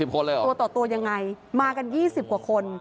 ตัวต่อตัวยังไงมากัน๒๐กว่าคน